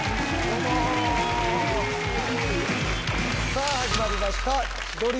さぁ始まりました。